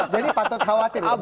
jadi patut khawatir